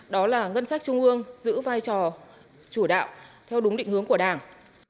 đó là ngân sách trung ương giữ vai trò chủ đạo theo đúng định hướng của đảng